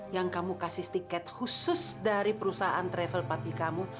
yang kamu kasih tiket khusus dari perusahaan travel patikamu